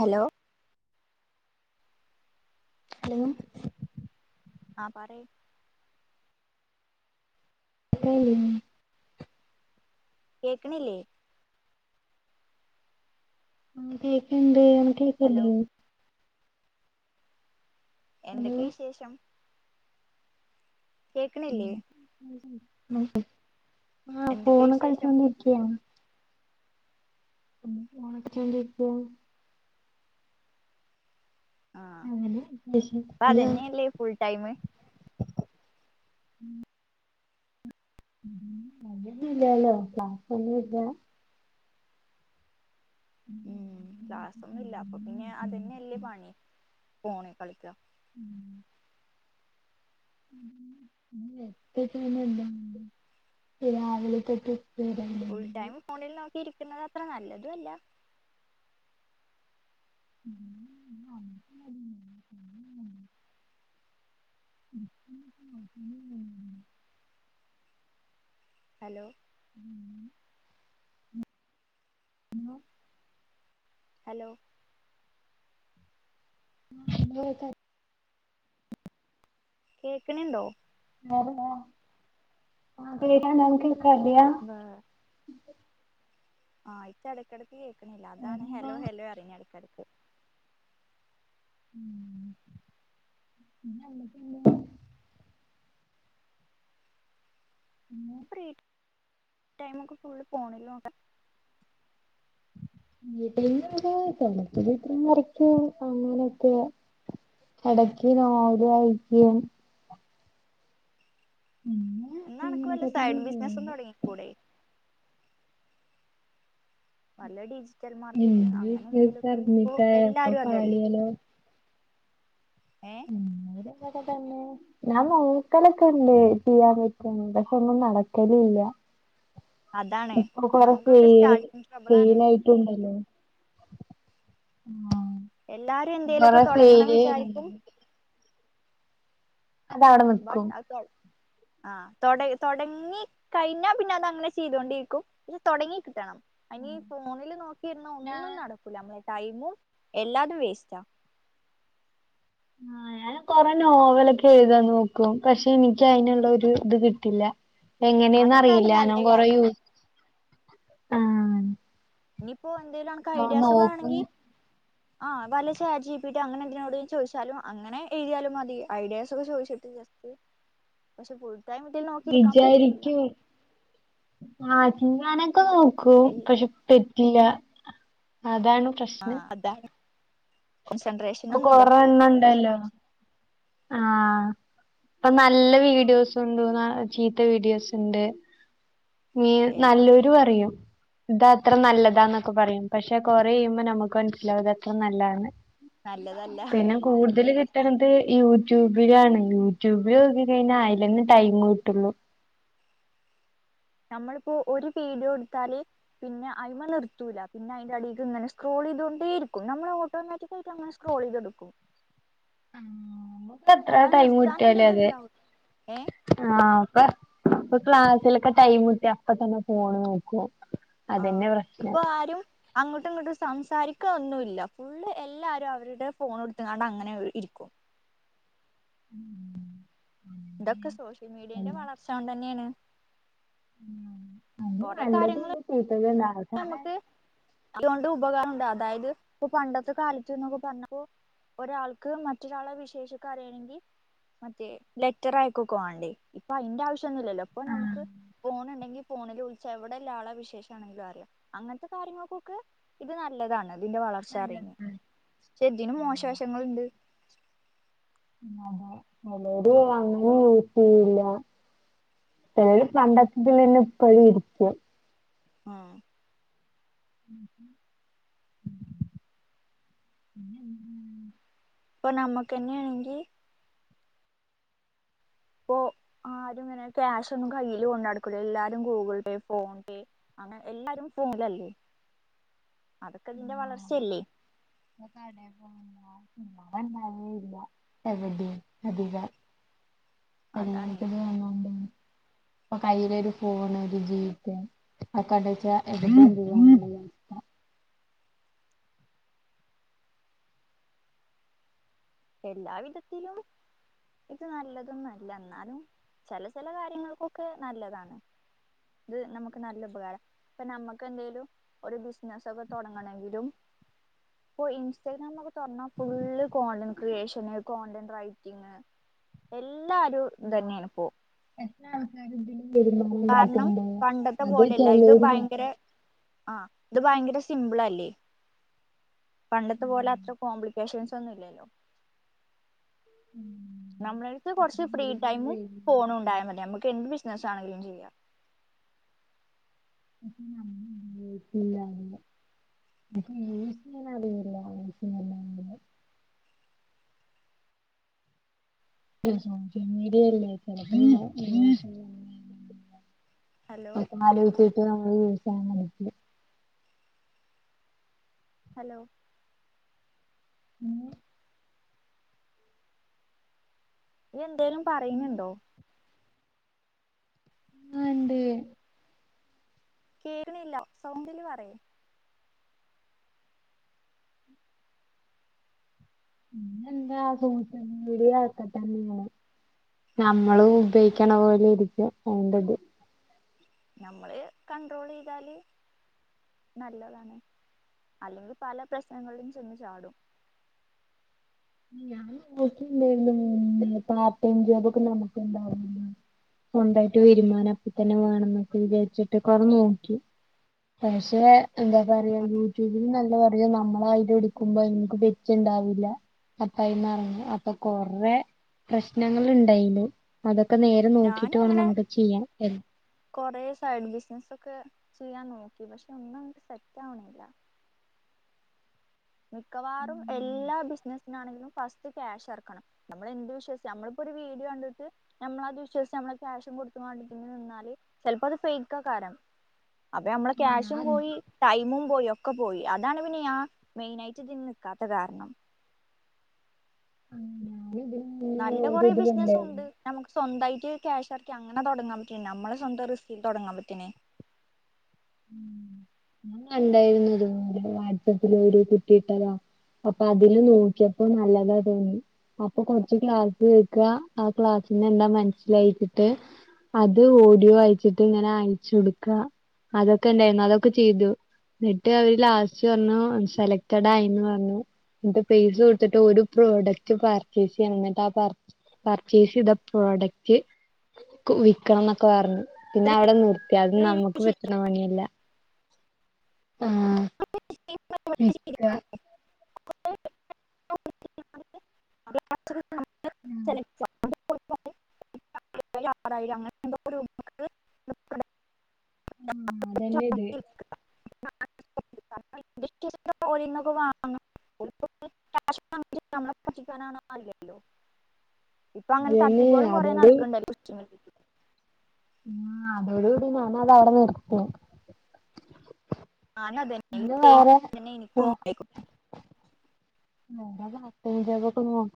Hello ലോം ആ പറയ് ഹലോ കേക്കിണില്ലേ ആഹ് കേക്ക്ണ്ട് അനക്ക് ഹലോ കേക്ക്ണില്ലേ ഹലോ എന്തൊക്കെ വിശേഷം കേക്ക്ണില്ലേ ആ എന്തൊക്കെയ ഫോണി വിശേഷം കളിച്ചോണ്ടിരിക്യാണ് ഉം ഫോണ് കളിപ്പിച്ചോണ്ടിരിക്യാണ് ആഹ് അങ്ങനെ വിശേഷം ഇപ്പ ഇയ്യോ അതെന്നെയല്ലേ ഫുൾടൈമ് [inaudible] ക്ലാസ് ഒന്നും ഇല്ല ഉം ക്ലാസ്സൊന്നു ഇല്ല അപ്പൊ പിന്നെ അതന്നെയല്ലേ പണി ഫോണി കളിക്ക ഉം [inaudible] രാവിലെ തൊട്ട് ഫുൾ ടൈമ് ഫോണി നോക്കി ഉരിക്കുന്നതും അത്ര നല്ലതും അല്ല [inaudible] [unintelligible] ഹലോ ഉം ഹലോ ഹലോ ക കേക്ക്ണ് ണ്ടൊ വേറെന്താ ആഹ് കേൾക്ക്ണണ്ട് അൻക്കേക്കണ്ല്യാ ങ്ങാ ആഹ് അയിറ്റടക്കടക്ക് കേൾക്കണില്ല അതാണ് വേറെന്താ ഹെലോ ഹെലോറിഞ്ഞടക്കടക്ക് ഉംപിന്നെ ന്തോ ക്കെണ്ട് ഊ മ് ഫ്രീ ടൈമൊക്കെ ഫുള്ള് ഫോണിലോക്ക വീട്ട്ന്നൊകെ [unintelligible] [unintelligible] ങ്ങനൊക്കെ എടക്കി നോവല് വാഴ്ക്യും മ് നേ ന്നാ അൻക്ക് വല്ല സൈഡ് ബിസിനസ്സും തൊടങ്ങി കൂടെ വല്ല ഡിജിറ്റൽ എന്ത് മാർക്കറ്റിങ് അങ്ങനെ വിശേഷം എന്തേലുഒക്കെ ഇപ്പോ അറിഞ്ഞിട്ടാ എപ്പ എല്ലാരും അതല്ലേ പാളിയാലോ ഏ ഇന്ന വിടിങ്ങനൊക്കെത്തന്നെ ഞാൻ നോക്കലൊക്കെ ണ്ട് ചെയ്യാൻ പറ്റുന്ന് പക്ഷെ ഒന്നും നടക്കെല് ഇല്ല അതാണ് ഇപ്പൊ കൊറേ നമുക്കൊക്കെ ഫീൽ സ്റ്റാർട്ടിങ് ട്രബിളാണ് ഫെയിൽആയി ട്ട് ണ്ടല്ലോ ആഹ് എല്ലാരും എന്തേലുമൊക്കെ കൊറേ തുടങ്ങണം ഫെയ്ല്ഇണ്ട് വിചാരിക്കും അത് അവിടെ ബട്ട് നിക്കും അത് തൊ ആഹ് തൊടയ് തൊടങ്ങി കഴിഞ്ഞാ പിന്നെ അതങ്ങനെ ചെയ്തോണ്ടിരിക്കുംപിന്നെ തൊടങ്ങി കിട്ടണം അയ്നീ ഫോണില് നോക്കിയിരുന്നാ ഞാൻ ഒന്നും നടക്കൂല അമ്മളെ ടൈമും എല്ലാതും വേസ്റ്റാ ആഹ് ഞാൻ [inaudible] കൊറെ നോവലൊക്കെ എഴുതാൻ നോക്കും പക്ഷെ എനിക്ക് അയ്ന്ള്ള ഒരു ത് കിട്ടില്ല എങ്ങനെന്ന് അറിയില്ല അതെന്തായാലും നല്ല ഞാ കൊറേ കാര്യാണ് യൂസ് ആഹ് നിപ്പോ എന്തേലും അൻക്ക് ആഹ് ഐഡിയാസ് നോക്കും വേണങ്കി ആഹ് വല്ല ചാർ ജി പ്പീ ട്ടി അങ്ങനെന്തിനോടെ ലും ചോയ്ച്ചാലും അങ്ങനെ എഴുതിയാലും മതി ഐഡിയാസൊക്കെ ചോയ്ച്ചിട്ട്.. ജസ് ട്ട് പക്ഷെ ഫുൾടൈമ്ട്ടി നോക്കിയിരിക്കാൻ പറ്റു ല്ല ആ ത്ഞാനൊക്കെ ന്നോക്കും എൽ പക്ഷെ പെറ്റ്ല്ല അതാണ് പ്രശ്നം ആഹ് അതാണ് കൊൺസൻട്രേഷ് പ്പകൊറെ എണ്ണം ണ്ടല്ലോ ആഹ് പ്പം നല്ല വീഡിയോസുണ്ട് ന്നാ ചീത്ത വീഡിയോസ്ണ്ട് നീ എല്ലാം ന്ല്ലോരു പറയും തത്ര നല്ലതാന്നൊക്കെ പറയും പക്ഷെ കൊറെ എയ്യുമ്പോ നമുക്ക് മനസ്സിലാവും ഇത് എത്ര നല്ലാതാ ന്ന് ന്ല്ലതല്ല. ഹ് കൂടുതല് കിട്ടണത് യൂട്യൂബിലാണ് യൂട്യൂബിൽ നോക്കി കഴിഞ്ഞാ അയ്ലെന്നെ ടൈം കിട്ടുള്ളൂ ഞമ്മള്പ്പോ ഒരു ബീടിയോ ഇട്ത്താല് പിന്നെ അയ്മേ ന്ന്ർത്തൂല പിന്നെ അയ്ന്റെ അടീക്ക് ങ്ങനെ സ്ക്രോളൈതോണ്ടേ ഇരിക്കും നമ്മള് ഓട്ടോമാറ്റി തെയ്റ്റങ്ങനെ സ്ക്രോളെ യ്തോണ്ട്ക്കും ആം മൊത്തം എത്ര അല്ലാതെ ടൈമ് കിട്ട്ആ ലേ നിർത്താനില്ലത് അതെ ഇണ്ടാവും ഏ ആഹ് പ്പൊ ഇപ്പ ക്ലാസ്സ്‌ലൊക്കെ ടൈമ് ട്ടിഅപ്പ തന്നെ ഫോണ് നോക്കും ആഹ് അതന്നെ പ്രശ്നം ഇപ്പൊ ആരും അങ്ങൊട്ടു ഇങ്ങൊട്ടു സംസാരിക്ക്ന്നുല്ല ഫുള്ള് എല്ലാരും അവരുടെ ഫോണ് ഇട്ത്ത്കാണ്ട് അങ്ങനെ ഒര് ഇരിക്കും ഉഉം തൊക്കെ സോഷ്യൽ മീഡിയന്റെ വളർച്ച കൊണ്ടെന്യായാണ് അത് നല്ലതണ്ട് ചീത്തതുണ്ടാവും പ്പ അമക്ക് അതൊണ്ട് ഉപകാരംണ്ട് അതായത് ഇപ്പൊ പണ്ടത്തെ കാലത്ത്ന്നൊക്കെ പർഞ്ഞപോ ഒരാൾക്ക് മറ്റൊരാളെ വിശേഷൊക്ക അറിയണെങ്കി മറ്റേ ലെറ്ററയ്ക്കോക്ക വാണ്ടേ ഇപ്പ അയ്ന്റെ ആവശ്യന്നുല്ലല്ലോ ഇപ്പ ന്നമ്ക്ക് ഫോണ് ണ്ടെങ്കി ഫോണ്ല് വിളിച്ച് എവിടെള്ള ആളെ വിശേഷാണെങ്കിലും അ റിയ അങ്ങൻത്ത കാര്യങ്ങൾക്കൊക്കെ ഇത് നല്ലതാണ് ഇതിന്റെ വളർ അതെ ചറിണ് ക്ഷേ ദിനും മോശവശങ്ങള്ണ്ട് അതെ അതേടീ അങ്ങ് ഓയ്ട്ടേയില്ല ചെലോല് പണ്ടത്ത്ൻ്റെ പേര്ല് ഇപ്പഴും ഇട്ക്കും ആഹ് പ്പം ന്നമ്മക്കെന്നെണെങ്കി പ്പൊ ആരും ങ്ങനെ ക്യാഷൊന്നും കയ്യില് കൊണ്ടട്ക്കൂല എല്ലാരും ഗൂഗിൾ പേ ഫോൺ പേ അങ്ങനെ എല്ലാരും ഫോണെല്ലേ അതൊക്കെ ഇതിന്റെ വളർച്ചെല്ലേ ആഹ് കടേ പോണം [unintelligible] എവിടെ അധികാ അതാണേ എല്ലാർക്കും ഇത് വന്നോണ്ടേനി ഇപ്പൊ കയ്യിലൊരു ഫോണ് ഒരു ജീപ്പെ ഒക്കെ അണ്ടച്ചാ എടുക്കേം ചെയ്യാ എല്ലാ വിധത്തിലും ഇത് നല്ലതൊന്നുല്ല എന്നാലും ചെല ചെല കാര്യങ്ങൾക്കൊക്കെ നല്ലതാണ് ഇത് നമുക്ക് നല്ല ഉപകാരാ ഇപ്പ ഞമ്മക്ക് എന്തേലും ഒരു ബിസിനസൊക്കെ തൊടങ്ങണെങ്കിലും ഇപ്പൊ ഇൻസ്റ്റാഗ്രാമൊക്കെ തൊറന്നാ full content creation content writing എല്ലാരും ആഹ് എത്ര ഇതിലും വരുന്ന കാരണം പണ്ടത്തെ പോലേല്ല ഇത് ഭയങ്കര മാത്രം ആഹ് ഇത് ഭയങ്കര സിംമ്പിളല്ലേ പണ്ടത്തെ പോലെ അത്ര കോംപ്ലിക്കേഷൻസ് ഒന്നു ഇല്ലല്ലോ നമ്മുടേടത്ത് കൊറച്ച് ഫ്രീ ടൈമും ഫോണുണ്ടായാ മതി നമുക്ക് എന്ത് ബിസിനസ്സാണെങ്കിലും ചെയ്യാം ഊം ഉം [inaudible] [inaudible] ഹലോ പപ്പമാല ഒക്കിട്ട് നമ്മള് വസായൻ മതി ഹലോ ഇന്ന് എന്തേലും പറയിണ് ണ്ടൊ ആഹ് ണ്ട് കേക്കണില്ല സൗണ്ട്ല് പറയ് ഊം എന്താ സൊഷ്യൽ മീഡിയ അങ്ങൻ തന്നെയാണ് നമ്മളും ഉപയോഗിക്കണ പോലെ ഇരിക്കും അതിന്റത് ഞമ്മള് കണ്ട്രോളെയ്താല് നല്ലതാണ് അല്ലെങ്കി പല പ്രശ്നങ്ങളിലും ചെന്ന് ചാടും ഞാൻ നോക്കുന്നുണ്ടേരുന്നു ഊം പാർട്ട് ടൈം ജോബൊക്കെ നമുക്കും ഉണ്ടാവും സ്വന്തായിട്ട് വരുമാനം അപ്പ തന്നെ വേണംന്നൊക്കെ വിചാരിച്ചിട്ട് കൊറെ നോക്കി പക്ഷേ എന്താ പറയാ യൂട്യൂബും നല്ല പറയും നമ്മളായിട്ട്എടുക്കുമ്പ എനിക്ക് ബെറ്റ്ണ്ടാവില്ല അപ്പ ഐന്നറങ്ങി അപ്പ കൊറെ പ്രശ്നങ്ങളിണ്ടായിനു അതൊക്കെ നേര അത് നോക്കീട്ട് ഞാനും വാണം അങ്ങനെ നമുക്ക് ചെയ്യാൻ ഏഹ് കൊറേ സൈഡ് ബിസിനസൊക്കെ ചെയ്യാൻ നോക്കി പക്ഷെ ഒന്നും നമുക്ക് സെറ്റാവണില്ല മിക്കവാറും എല്ലാ ബിസിനസിനാണെങ്കിലും ഫസ്റ്റ് ക്യാഷ് എറക്കണം നമ്മളെന്ത് വിശ്വാസിച്ച നമ്മളിപ്പൊര് വീഡിയോ കണ്ടിട്ട് ഞമ്മളത് വിശ്വസ്‌ച്ച് നമ്മളാ ക്യാഷും കൊടുത്ത്കാണ്ട്പിന്നെ നിന്നാല് ചെലപ്പത് ഫേക്ക്ക്കാരം അപ്പ ഞമ്മളെ ആഹ് ക്യാഷും പോയി ടൈമും പോയ് ഒക്കെ പോയ് അതാണ് പിന്നെ ഞാ മെയിനായിട്ട് ഇത്ൻ നിക്കാത്ത കാരണം ആഹ് ഞാനിതില്ലേ നല്ല കൊറേ ബിസ്‌നസ്സുണ്ട് നമുക്ക് സ്വന്തായിട്ട് ക്യാഷ്റക്കി അങ്ങനെതൊണ്ടങ്ങാങ്കി നമ്മടെ സ്വന്തം റിസ്ക്കിൽ തൊടങ്ങാൻ പറ്റാണെ ഉം ഞാൻകണ്ടാരുന്നുത് ഇതില് വാട്സപ്പില് ഒരു കുട്ടിയിട്ടതാ പ്പപതില് നോക്കിയപ്പോ നല്ലതാ തോന്നി അപ്പ കൊറച്ച് ക്ലാസ്സ് കേക്ക്വാ ആഹ് ക്ലാസ്സിലെന്താ മനസ്സിലായിച്ച്ട്ട് അത് ഓഡിയോ അയച്ചിട്ട്ങ്ങനെ അയച്ച് കൊടുക്ക അതൊക്കെണ്ടായിര്ന്നു അതൊക്കെ ചെയ്തു ന്നിട്ട് അവര് ലാസ്റ്റ് പർഞ്ഞു സെലക്റ്റടായ്ന്ന് പറഞ്ഞു ന്ന്ട്ട് പേസ്സ് കൊട്ത്തിട്ട് ഒര് പ്രോഡക്റ്റ് പർച്ചേസെയ്യണം ന്ന്ട്ടാ ആപർച്ചേ പർച്ചേസ്യ്ത പ്രോഡക്റ്റ് ക്കു വിക്കണംന്നൊക്കെ പറഞ്ഞ് പിന്നെ അവിടെ നിർത്തിയാത് റിവ്യൂ നമ്മക്ക് ഷീറ്റ് പറ്റണ പണിയല്ല ആഹ് വിക്വാ ചെല [unintelligible] അയിലാടായി അങ്ങനെത്തെന്തൊരു ഉം അതല്ല്ത് നമുക്ക് ഓരീന്നൊക്കെ വാങ്ങാൻ കാശ് വാങ്ങ് ങ്ങി നമ്മളെ പറ്റിക്കാനാണോന്നറിയില്ലല്ലോ ഇപ്പങ്ങനെ അതന്നെ തട്ടിപ്പുകളും കൊറേ അതോട് നടക്കണ്ടല്ലോ ച്ചിരിനേരം [unintelligible] ആഹ് അതോടുകൂടി ഞാനതവിടെ നിർത്തി ഞാനും അതന്നെ ഈ സെയിം [unintelligible] തന്നെ എനിക്കും ഉണ്ടായിക്ക് മിണ്ടാതെ മെസ്സേജ്‌കളൊക്കെ നോക്കും